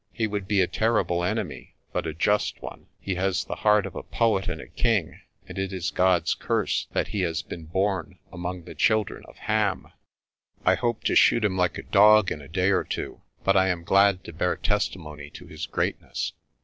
He would be a terrible enemy, but a just one. He has the heart of a poet and a king, and it is God's curse that he has been born among the children of Ham. I hope ARCOLL TELLS A TALE 103 to shoot him like a dog in a day or two, but I am glad to bear testimony to his greatness."